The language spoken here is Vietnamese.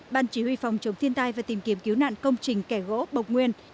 ban chỉ huy phòng chống thiên tai và tìm kiếm cứu nạn công trình kẻ gỗ bộc nguyên